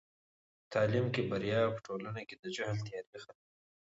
په تعلیم کې بریا په ټولنه کې د جهل تیارې ختموي.